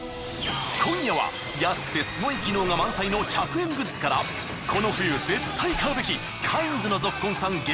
今夜は安くてすごい機能が満載の１００円グッズからこの冬絶対買うべきカインズのぞっこんさん